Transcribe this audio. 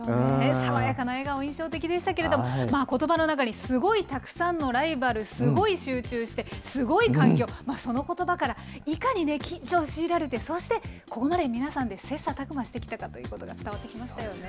爽やかな笑顔、印象的でしたけれども、まあ、ことばの中にすごいたくさんのライバル、すごい集中して、すごい環境、そのことばから、いかにね、緊張を強いられて、そしてここまで皆さんで切さたく磨してきたかということが伝わってきましたよね。